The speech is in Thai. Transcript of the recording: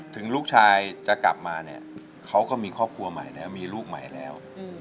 ถึงลูกชายจะกลับมาเนี่ยเขาก็มีครอบครัวใหม่แล้วมีลูกใหม่แล้ว